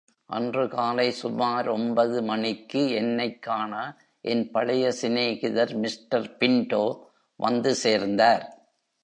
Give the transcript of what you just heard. அன்று காலை சுமார் ஒன்பது மணிக்கு என்னைக் காண என் பழைய சிநேகிதர் மிஸ்டர் பின்டோ வந்து சேர்ந்தார்.